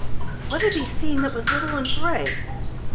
What had he seen that was little and gray?